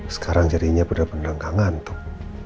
sekarang jadinya berdendam kangen tuh